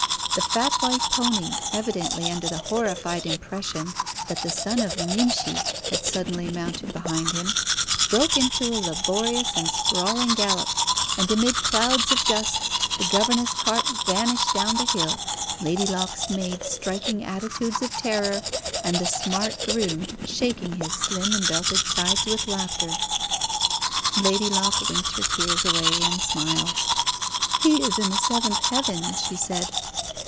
The fat white pony, evidently under the horrified impression that the son of Nimshi had suddenly mounted behind him, broke into a laborious and sprawling gallop, and, amid clouds of dust, the governess cart vanished down the hill, Lady Locke's maid striking attitudes of terror, and the smart groom shaking his slim and belted sides with laughter. Lady Locke winked her tears away, and smiled. "He is in the seventh heaven," she said.